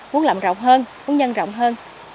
muốn làm rộng hơn muốn nhân rộng hơn